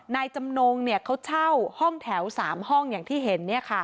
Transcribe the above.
นายจำนงเขาเช่าห้องแถว๓ห้องอย่างที่เห็น